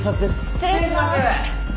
失礼します。